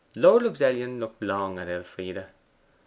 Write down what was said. Lord Luxellian looked long at Elfride.